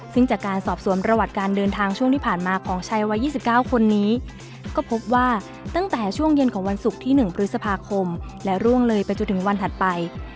ซึ่งจากการสอบสวนประวัติการเดินทางช่วงที่ผ่านมาของชายวัย๒๙คนนี้ก็พบว่าตั้งแต่ช่วงเย็นของวันศุกร์ที่๑พฤษภาคมและร่วงเลยไปจนถึงวันถัดไป